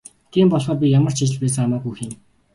Тийм болохоор би ямар ч ажил байсан хамаагүй хийнэ.